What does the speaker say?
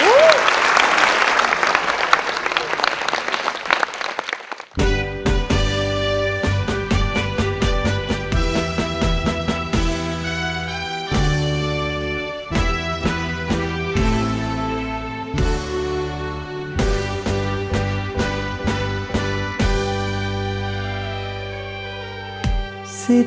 ภารกิจภารกิจ